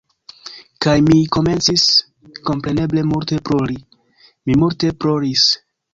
Kaj mi komencis kompreneble multe plori. Mi multe ploris.